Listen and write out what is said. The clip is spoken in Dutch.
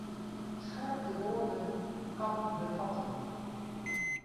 Schrap de woorden "kan bevatten".